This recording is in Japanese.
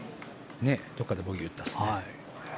どこかでボギーを打ったんですね。